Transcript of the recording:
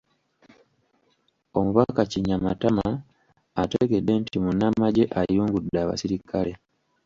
Omubaka Kinyamatama ategedde nti Munnamagye ayungudde abaserikale